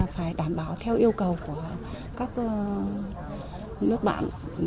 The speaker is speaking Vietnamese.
phải đảm bảo theo yêu cầu của các nước bạn